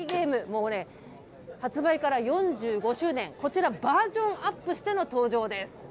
もうね、発売から４５周年、こちら、バージョンアップしての登場です。